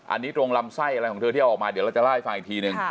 อันนี้ตรงลำไส้อะไรของเธอที่เอาออกมาเดี๋ยวเราจะเล่าให้ฟังอีกทีนึง